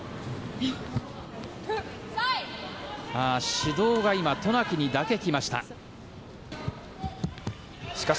指導が今、渡名喜にだけ来ましかし